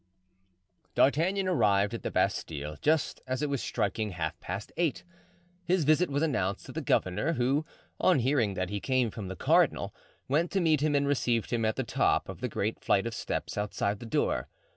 D'Artagnan arrived at the Bastile just as it was striking half past eight. His visit was announced to the governor, who, on hearing that he came from the cardinal, went to meet him and received him at the top of the great flight of steps outside the door.